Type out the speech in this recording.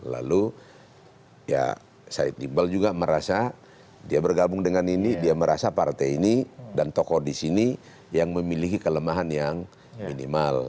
lalu ya said iqbal juga merasa dia bergabung dengan ini dia merasa partai ini dan tokoh di sini yang memiliki kelemahan yang minimal